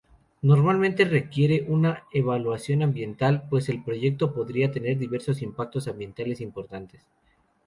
Normalmente requiere una evaluación ambiental, pues el proyecto podría tener diversos impactos ambientales importantes.